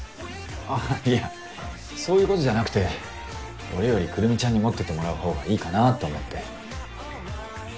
ああいやそういうことじゃなくて俺よりくるみちゃんに持っててもらう方がいいかなと思って。